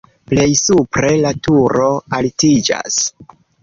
Plej supre la turo altiĝas.